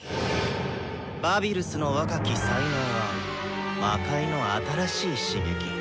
バビルスの若き才能は魔界の新しい刺激。